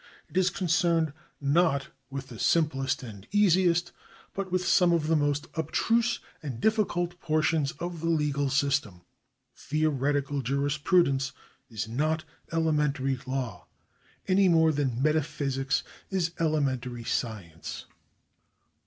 It is concerned not with the simplest and easiest, but with some of the most abstruse and difficult portions of the legal system. Theo retical jurisprudence is not elementary law, any more than metaphysics is elementary science.